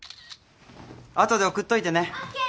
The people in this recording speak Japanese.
後で送っといてね。